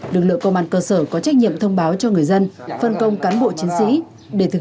lực lượng công an cơ sở có trách nhiệm thông báo cho người dân phân công cán bộ chiến sĩ để thực